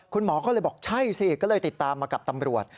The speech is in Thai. คุณหมอก็เลยบอกใช่สิก็เลยติดตามมากับตำรวจ